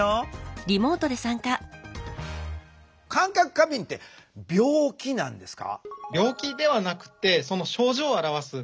過敏って病気なんですか？